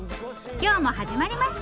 今日も始まりました！